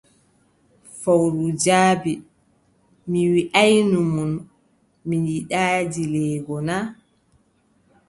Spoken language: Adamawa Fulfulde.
Fowru jaabi: Mi wiʼaayno on, mi yiɗaa dileego na?